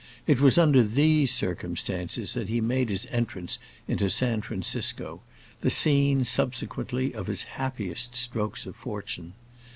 It was under these circumstances that he made his entrance into San Francisco, the scene, subsequently, of his happiest strokes of fortune.